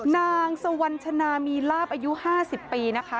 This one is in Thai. นางสวรรณชนามีลาบอายุ๕๐ปีนะคะ